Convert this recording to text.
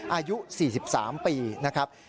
อายุ๔๓ปีนะครับ